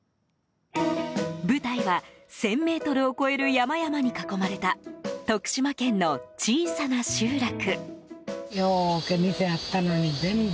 舞台は、１０００ｍを超える山々に囲まれた徳島県の小さな集落。